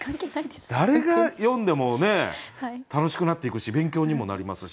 誰が詠んでも楽しくなっていくし勉強にもなりますし